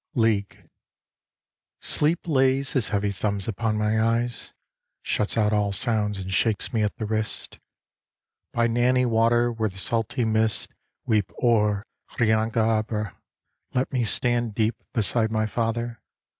136 THE DEATH OF LEAG LEAG " Sleep lays his heavy thumbs upon my eyes, Shuts out all sounds and shakes me at the wrists. By Nanny water where the salty mists Weep o'er Riangabra let me stand deep Beside my father.